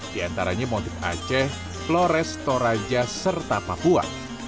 di antaranya motif aceh flores toraja serta papua